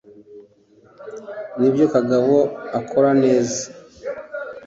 nibyo kagabo akora neza